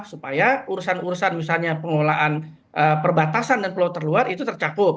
supaya urusan urusan misalnya pengelolaan perbatasan dan pulau terluar itu tercakup